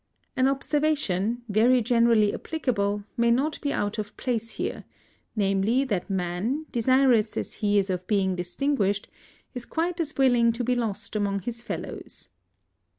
An observation, very generally applicable, may not be out of place here, namely, that man, desirous as he is of being distinguished, is quite as willing to be lost among his fellows.